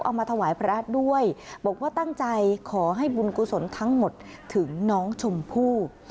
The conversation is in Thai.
เอามาถวายพระด้วยบอกว่าตั้งใจขอให้บุญกุศลทั้งหมดถึงน้องชมพู่